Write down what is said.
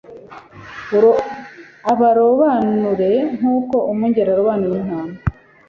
abarobanure nk'uko umwungeri arobanura intama